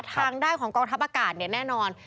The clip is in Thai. ทางด้านของกองทัพอากาศเนี่ยแน่นอน